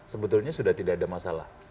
sebetulnya sudah tidak ada masalah